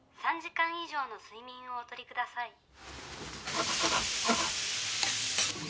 ３時間以上の睡眠をお取りください。